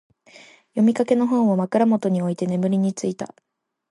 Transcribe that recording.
読みかけの本を、枕元に置いて眠りについた。